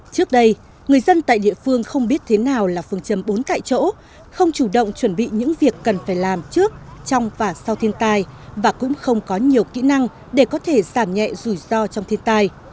trước đây người dân tại địa phương không biết thế nào là phương châm bốn tại chỗ không chủ động chuẩn bị những việc cần phải làm trước trong và sau thiên tai và cũng không có nhiều kỹ năng để có thể giảm nhẹ rủi ro trong thiên tai